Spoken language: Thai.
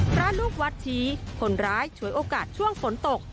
พระลูกวัดชี้คนร้ายฉวยโอกาสช่วงฝนตก